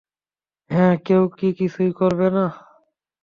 হ্যাঁ, কেউ কি কিছুই করবে না?